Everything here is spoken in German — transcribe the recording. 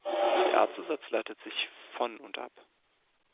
Der Artzusatz leitet sich von und ab.